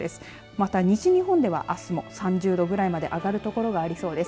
また西日本では、あすも３０度ぐらいまで上がる所がありそうです。